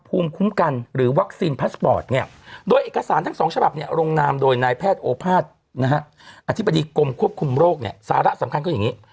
ภูมิคุ้มกันหรือวัคซีนพาสปอร์ตเนี่ยโดยเอกสารทั้งสองฉบับเนี่ยลงนามโดยนายแพทย์โอภาษย์นะฮะอธิบดีกรมควบคุมโรคเนี่ยสาระสำคัญก็อย่างนี้